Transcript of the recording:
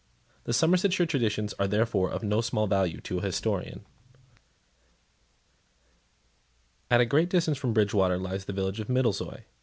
The Somersetshire traditions are therefore, of no small value to a historian. At a greater distance from Bridgewater lies the village of Middlezoy.